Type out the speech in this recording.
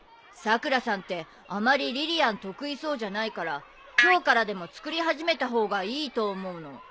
さくらさんってあまりリリアン得意そうじゃないから今日からでも作り始めた方がいいと思うの。